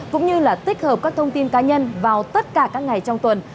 cũng như là tích hợp các thông tin cá nhân vào tất cả các ngày trong tuần